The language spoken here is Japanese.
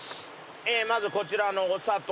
ええまずこちらのお砂糖。